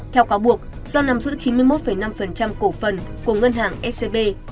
theo cáo buộc do nắm giữ chín mươi một năm cổ phần của ngân hàng scb